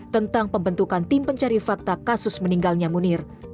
tentang pembentukan tim pencari fakta kasus meninggalnya munir